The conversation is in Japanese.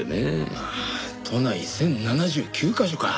ああ都内１０７９カ所か。